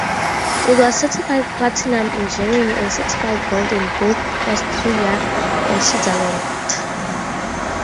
It was certified platinum in Germany, and certified Gold in both Austria and Switzerland.